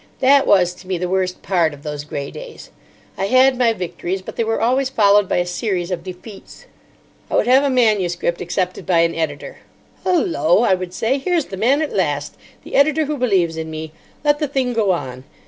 That was to me the worst part of those grey days. I had my victories, but they were always followed by a series of defeats. I would have a manuscript accepted by an editor. "Hullo," I would say, "here's the man at last, the Editor Who Believes In Me. Let the thing go on."